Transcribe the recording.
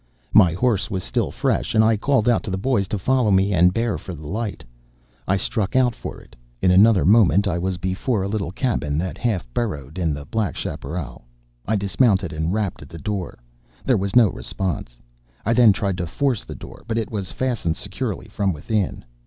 My horse was still fresh, and calling out to the boys to follow me and bear for the light, I struck out for it. In another moment I was before a little cabin that half burrowed in the black chapparal; I dismounted and rapped at the door. There was no response. I then tried to force the door, but it was fastened securely from within.